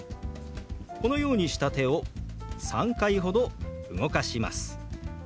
このようにした手を３回ほど動かします。